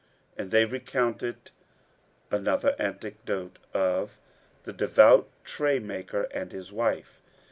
'" And they recount another anecdote of THE DEVOUT TRAY MAKER AND HIS WIFE.